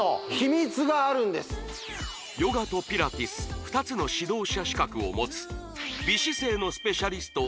ヨガとピラティス２つの指導者資格を持つ美姿勢のスペシャリスト